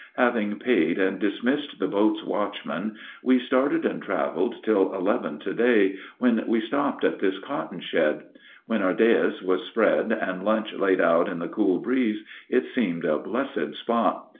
Having paid and dismissed the boat's watchman, we started and traveled till eleven to day, when we stopped at this cotton shed. When our dais was spread and lunch laid out in the cool breeze, it seemed a blessed spot.